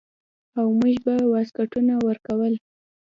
او موږ به واسکټونه ورکول.